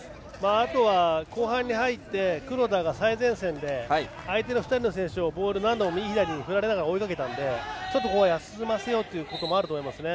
あとは後半に入って黒田が最前線で相手の２人の選手のボールを何度も右、左に振られながら追いかけたのでちょっとここは休ませようというのもあると思います。